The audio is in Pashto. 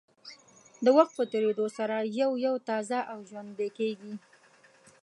د وخت په تېرېدو سره یو یو تازه او ژوندۍ کېږي.